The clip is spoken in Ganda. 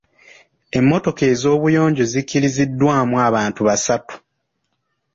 Emmotoka ez’obuyonjo zikkiriziddwamu abantu basatu.